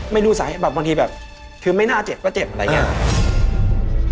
ไม่รู้สาเหตุแบบบางทีแบบคือไม่น่าเจ็บก็เจ็บอะไรอย่างนี้